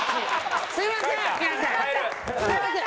すみません。